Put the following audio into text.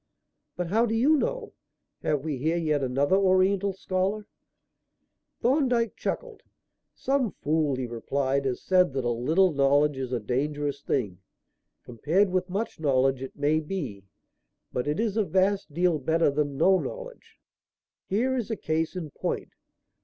"But how do you know? Have we here yet another Oriental scholar?" Thorndyke chuckled. "Some fool," he replied, "has said that 'a little knowledge is a dangerous thing.' Compared with much knowledge, it may be; but it is a vast deal better than no knowledge. Here is a case in point.